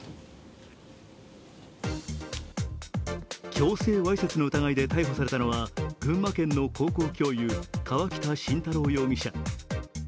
強制わいせつの疑いで逮捕されたのは群馬県の高校教諭川北進太郎容疑者。